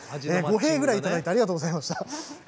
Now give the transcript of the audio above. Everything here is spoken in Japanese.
５へぇぐらいいただいてありがとうございました。